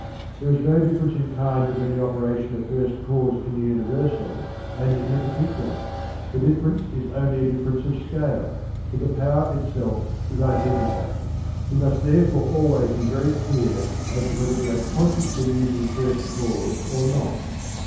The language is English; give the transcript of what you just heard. There is no difference in kind between the operation of first cause in the universal and in the particular, the difference is only a difference of scale, but the power itself is identical. We must therefore always be very clear as to whether we are consciously using first cause or not.